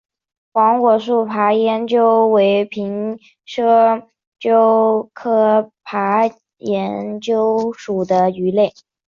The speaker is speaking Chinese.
黄果树爬岩鳅为平鳍鳅科爬岩鳅属的鱼类。